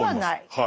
はい。